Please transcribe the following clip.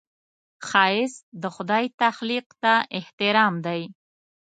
ښایست د خدای تخلیق ته احترام دی